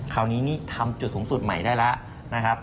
คราวนี้นี่ทำจุดสูงสุดใหม่ได้แล้วนะครับ